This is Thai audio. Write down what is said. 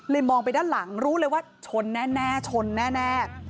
มองไปด้านหลังรู้เลยว่าชนแน่ชนแน่